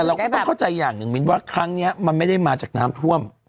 เราก็ต้องเข้าใจอย่างหนึ่งมิ้นว่าครั้งนี้มันไม่ได้มาจากน้ำท่วม